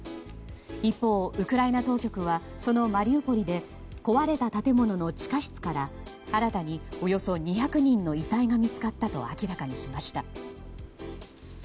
一方、ウクライナ当局はそのマリウポリで壊れた建物の地下室から新たにおよそ２００人の遺体が見つかったと明らかにしました。